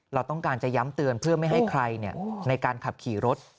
เราต้องการจะย้ำเตือนเพื่อไม่ให้ใครในการขับขี่รถ